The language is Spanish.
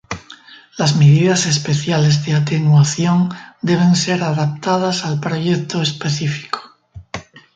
Las medidas especiales de atenuación, deben ser adaptadas al proyecto específico.